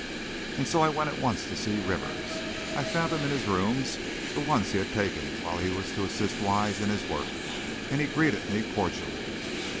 And so I went at once to see Rivers. I found him in his rooms, the ones he had taken while he was to assist Wise in his work, and he greeted me cordially.